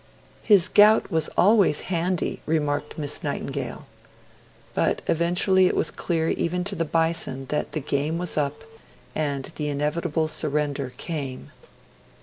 'His gout was always handy,' remarked Miss Nightingale. But eventually it was clear even to the Bison that the game was up, and the inevitable surrender came.